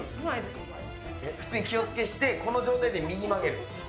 普通に気を付けしてこの状態で右曲げる。